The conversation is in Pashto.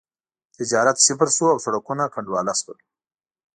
تجارت صفر شو او سړکونه کنډواله شول.